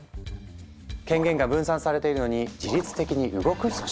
権限が分散されているのに自律的に動く組織。